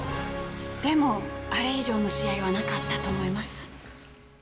でもあれ以上の試合はなかったと思います。